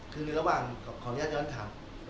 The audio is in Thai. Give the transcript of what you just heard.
ของข่อนี้ยังให้ผมถาม